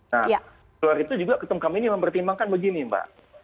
nah keluar itu juga ketum kami ini mempertimbangkan begini mbak